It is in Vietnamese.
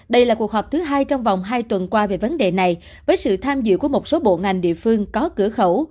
đây là cuộc họp thứ hai trong vòng hai tuần qua về vấn đề này với sự tham dự của một số bộ ngành địa phương có cửa khẩu